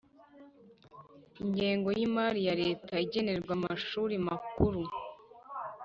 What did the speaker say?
ingengo y'imari ya leta igenerwa amashuri makuru